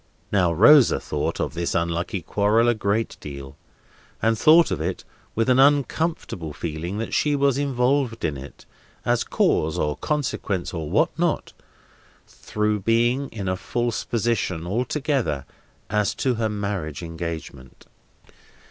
Now, Rosa thought of this unlucky quarrel a great deal, and thought of it with an uncomfortable feeling that she was involved in it, as cause, or consequence, or what not, through being in a false position altogether as to her marriage engagement.